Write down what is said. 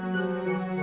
ya ya gak